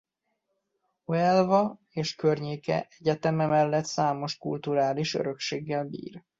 Huelva és környéke egyeteme mellett számos kulturális örökséggel bír.